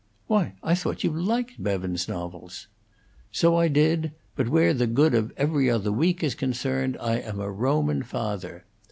"Why, I thought you liked Bevans's novels?" "So I did; but where the good of 'Every Other Week' is concerned I am a Roman father.